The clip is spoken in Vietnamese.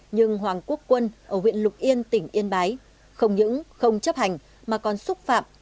nhưng hoàng quốc quân ở huyện lục yên tỉnh yên bái không những không chấp hành mà còn xúc phạm